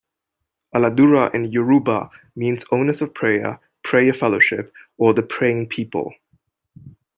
"Aladura" in Yoruba means "owners of prayer", "Prayer Fellowship" or "The Praying People".